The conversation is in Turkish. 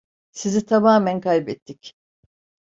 Sizi tamamen kaybettik.